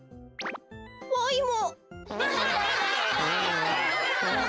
わいも。